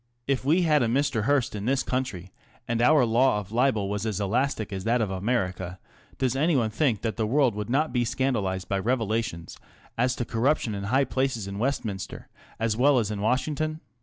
If we had a Mr. Hearst in this country, and our law of libel was as elastic as that of America, does anyone think that the world would not be scandalised by revelations as to corruption in high places in Westminster as well as in Washington